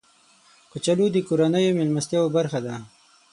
کچالو د کورنیو میلمستیاو برخه ده